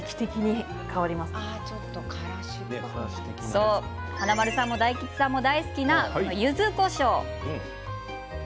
そう、華丸さんも大吉さんも大好きな、ゆずこしょう。